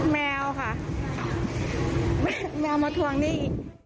แมวทวงหนี้